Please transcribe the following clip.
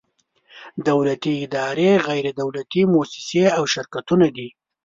دولتي ادارې، غیر دولتي مؤسسې او شرکتونه دي.